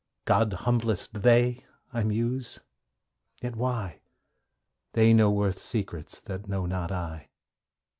'God's humblest, they!' I muse. Yet why? They know Earth secrets that know not I.